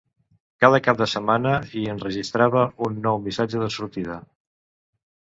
Cada cap de setmana hi enregistrava un nou missatge de sortida.